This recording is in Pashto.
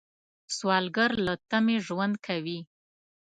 سوالګر له تمې ژوند کوي